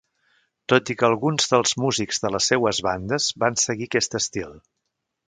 Tot i que alguns dels músics de les seues bandes van seguir aquest estil.